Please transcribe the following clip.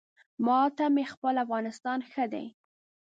ما ته مې خپل افغانستان ښه دی